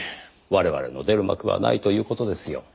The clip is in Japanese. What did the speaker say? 我々の出る幕はないという事ですよ。